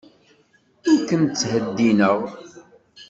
Ur ken-ttheddineɣ.